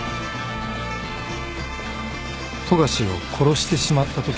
富樫を殺してしまったとき？